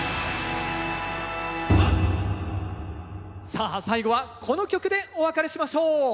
さあ最後はこの曲でお別れしましょう。